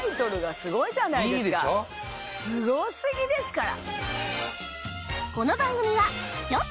「スゴすぎ」ですから。